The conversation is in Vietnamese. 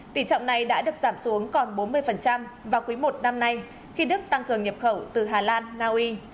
tỷ trọng này đã được giảm xuống còn bốn mươi vào quý một năm nay khi đức tăng cường nhập khẩu từ hà lan naui